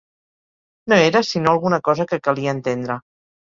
No era sinó alguna cosa que calia entendre.